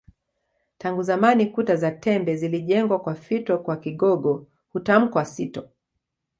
Tangu zamani kuta za tembe zilijengwa kwa fito kwa Kigogo hutamkwa sito